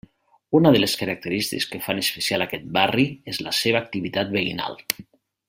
Una de les característiques que fan especial aquest barri és la seva activitat veïnal.